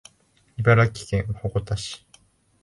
茨城県鉾田市